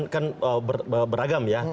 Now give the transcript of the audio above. kan beragam ya